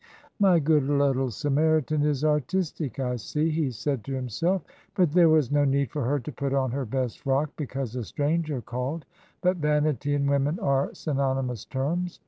"My good little Samaritan is artistic, I see," he said to himself; "but there was no need for her to put on her best frock because a stranger called. But vanity and women are synonymous terms."